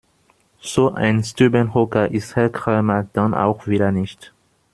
So ein Stubenhocker ist Herr Krämer dann auch wieder nicht.